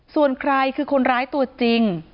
ส่วนใครคือคนร้ายตัวจริง